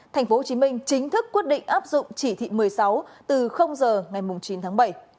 tp hcm chính thức quyết định áp dụng chỉ thị một mươi sáu từ giờ ngày chín tháng bảy